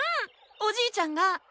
おじいちゃんが。